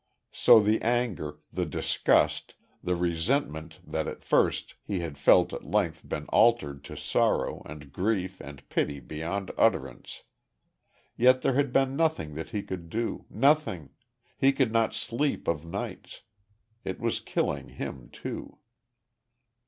So the anger the disgust the resentment that at first he had felt had at length been altered to sorrow, and grief, and pity beyond utterance .... Yet there had been nothing that he could do nothing.... He could not sleep, of nights.... It was killing him, too....